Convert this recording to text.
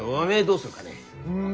うん。